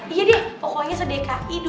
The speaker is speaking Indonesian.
iya deh pokoknya sedekai dua ribu enam belas